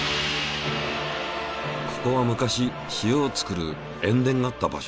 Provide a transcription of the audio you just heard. ここは昔塩を作る塩田があった場所。